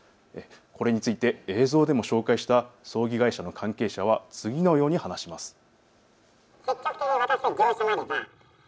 これについて映像でも紹介した葬儀会社の関係者は次のように話します。